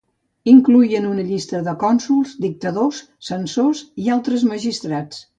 Incloïen una llista de cònsols, dictadors, censors i altres magistrats.